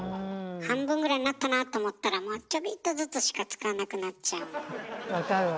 半分ぐらいになったなあと思ったらもうちょびっとずつしか使わなくなっちゃうの。